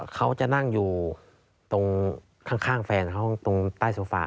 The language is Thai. เขาจะนั่งอยู่ตรงข้างแฟนเขาตรงใต้โซฟา